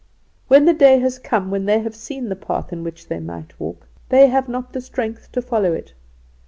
"When the day has come when they have seen the path in which they might walk, they have not the strength to follow it.